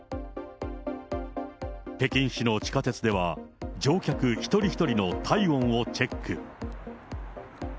北京市の地下鉄では乗客一人一人の体温をチェック。